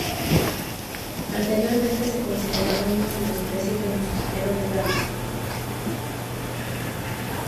Anteriormente se consideraba una subespecie del mosquitero de Davison.